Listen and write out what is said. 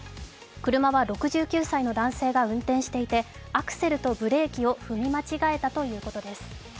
車は６９歳の男性が運転していてアクセルとブレーキを踏み間違えたということです。